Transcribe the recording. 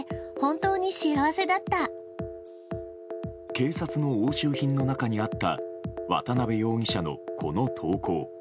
警察の押収品の中にあった渡辺容疑者の、この投稿。